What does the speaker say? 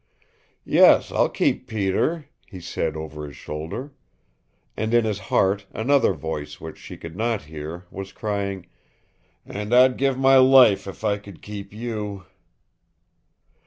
"Yes, I'll keep Peter," he said over his shoulder. And in his heart another voice which she could not hear, was crying, "And I'd give my life if I could keep you!"